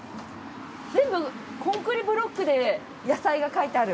全部コンクリブロックで野菜が書いてある。